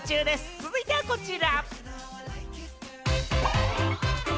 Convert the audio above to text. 続いてはこちら！